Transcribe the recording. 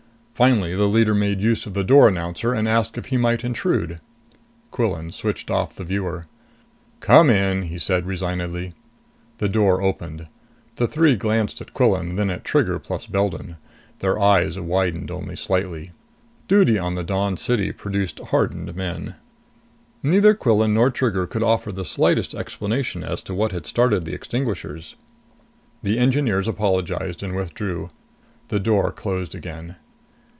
Finally the leader made use of the door announcer and asked if he might intrude. Quillan switched off the viewer. "Come in," he said resignedly. The door opened. The three glanced at Quillan, and then at Trigger plus Beldon. Their eyes widened only slightly. Duty on the Dawn City produced hardened men. Neither Quillan nor Trigger could offer the slightest explanation as to what had started the extinguishers. The engineers apologized and withdrew. The door closed again.